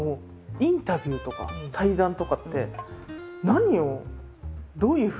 インタビューとか対談とかって何をどういうふうにしたらいいとかないんで。